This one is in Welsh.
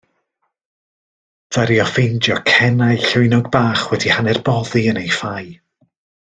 Ddaru o ffeindio cenau llwynog bach wedi hanner boddi yn ei ffau.